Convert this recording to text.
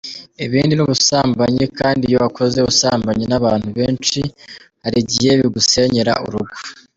Ibindi ni ubusambanyi kandi iyo wakoze ubusambanyi n’ abantu benshi hari igihe bigusenyera urugo.